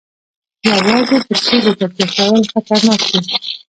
یوازې په تیلو تکیه کول خطرناک دي.